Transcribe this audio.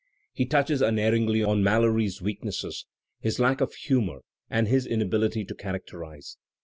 He touches imerringly on Malory's weaknesses, his lack of humour and his inabiUty to characterize.